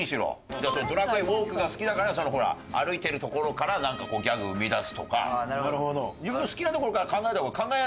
『ドラクエウォーク』が好きだからほら歩いてるところからなんかギャグを生み出すとか自分の好きなところから考えた方が考えやすいじゃん。